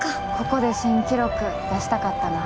ここで新記録出したかったな。